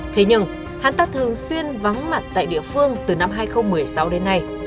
thế nhưng hắn ta thường xuyên vắng mặt tại địa phương từ năm hai nghìn một mươi sáu đến nay